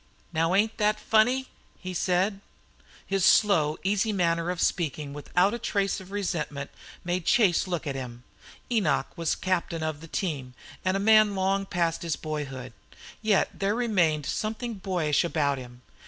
"Now, ain't it funny?" said he. His slow, easy manner of speaking, without a trace of resentment, made Chase look at him. Enoch was captain of the team and a man long past his boyhood. Yet there remained something boyish about him.